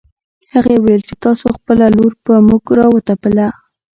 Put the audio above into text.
هغې ويل چې تاسو خپله لور په موږ راوتپله